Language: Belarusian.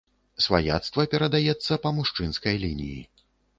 Сваяцтва перадаецца па мужчынскай лініі.